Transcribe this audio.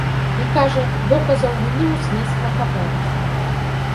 І, кажа, доказаў віны ў следства хапае.